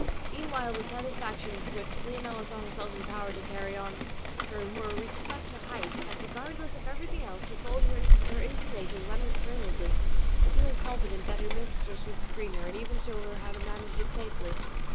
Meanwhile the satisfaction with which Leonela saw herself empowered to carry on her amour reached such a height that, regardless of everything else, she followed her inclinations unrestrainedly, feeling confident that her mistress would screen her, and even show her how to manage it safely.